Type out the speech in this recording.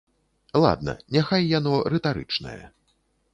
Ладна, няхай яно рытарычнае.